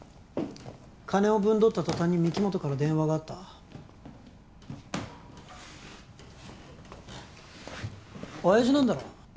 金をぶんどったとたんに御木本から電話があった親爺なんだろ？